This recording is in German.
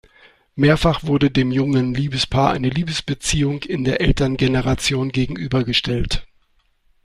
Mehrfach wurde dem jungen Liebespaar eine Liebesbeziehung in der Elterngeneration gegenübergestellt.